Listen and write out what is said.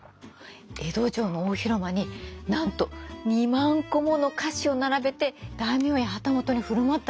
江戸城の大広間になんと２万個もの菓子を並べて大名や旗本に振る舞ったんだって。